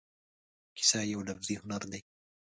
کیسه یو لفظي هنر دی.